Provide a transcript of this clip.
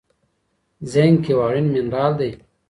زینک یو اړین منرال دی.